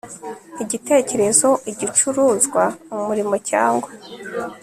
igitekerezo igicuruzwa umurimo cyangwa